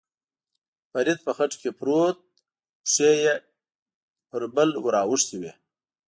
فرید په خټو کې پروت، پښې یې پر پل ور اوښتې وې.